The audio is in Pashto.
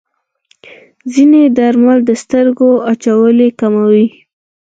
ځینې درمل د سترګو وچوالی کموي.